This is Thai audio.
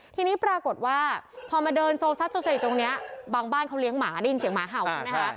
ทีนี้ปรากฏว่าพอมาเดินโซซัสโซเซตรงนี้บางบ้านเขาเลี้ยงหมาได้ยินเสียงหมาเห่าใช่ไหมคะ